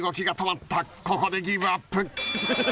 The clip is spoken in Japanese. ここでギブアップ！